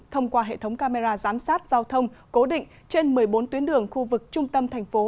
thông qua hệ thống camera giám sát giao thông cố định trên một mươi bốn tuyến đường khu vực trung tâm thành phố